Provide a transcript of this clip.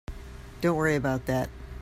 Don't worry about that.